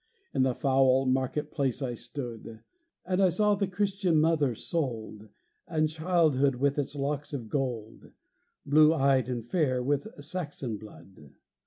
In the foul market place I stood, And saw the Christian mother sold, And childhood with its locks of gold, Blue eyed and fair with Saxon blood.